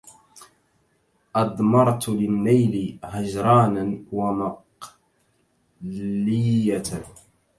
أضمرت للنيل هجرانا ومقلية